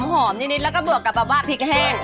หอมนิดแล้วก็บวกกับแบบว่าพริกแห้ง